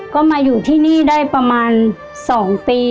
ก็มาอยู่ที่นี่ได้ประมาณ๒ปี